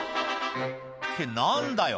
「って何だよ